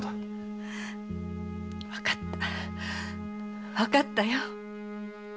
わかったわかったよ。